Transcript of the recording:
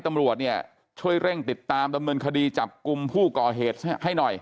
ตำรวจเนี่ยช่วยเร่งติดตามดำเนินคดีจับกลุ่มผู้ก่อเหตุให้หน่อย